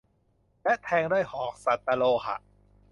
และแทงด้วยหอกสัตตโลหะ